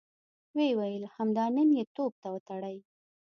ويې ويل: همدا نن يې توپ ته وتړئ!